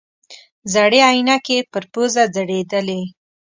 زړې عینکې یې پر پوزه ځړېدلې.